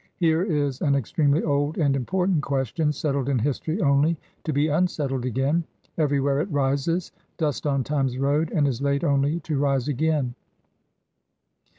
Here is an extremely old and important question, settled in history only to be unsettled again. Everywhere it rises, dust on Time's road, and is laid only to rise again.